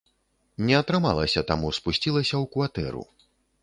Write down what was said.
Не атрымалася, таму спусцілася ў кватэру.